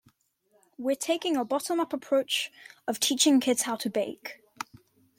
We're taking a bottom-up approach of teaching kids how to bake.